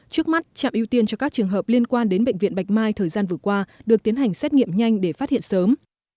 trước mắt trạm ưu tiên cho các trường hợp liên quan đến bệnh viện bạch mai thời gian vừa qua được tiến hành xét nghiệm nhanh để phát hiện sớm